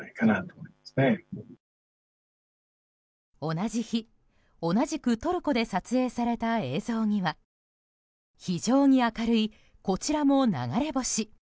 同じ日、同じくトルコで撮影された映像には非常に明るい、こちらも流れ星。